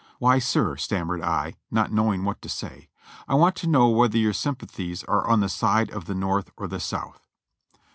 "Why, sir," stammered I, not knowing wliat to say, "I want to know whether your sympathies are on the side of the North or the South."